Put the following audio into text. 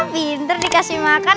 pinter dikasih makan